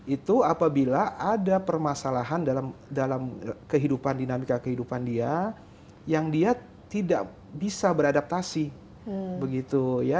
itu apabila ada permasalahan dalam kehidupan dinamika kehidupan dia yang dia tidak bisa beradaptasi begitu ya